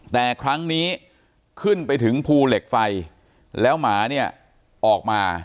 แต่ครั้งนี้ขึ้นไปถึงภูเหล็กไฟแล้วหมาเนี่ยออกมา